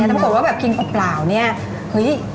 ถ้าบอกว่าแบบกินปล่าวนี่เฮ้ย